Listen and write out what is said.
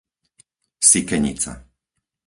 Sikenica